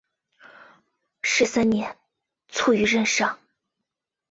十三年卒于任上。